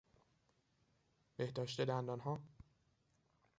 بهداشت دندانها